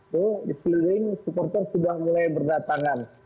itu di sekeliling supporter sudah mulai berdatangan